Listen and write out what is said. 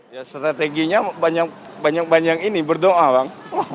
ya strateginya banyak banyak ini berdoa bang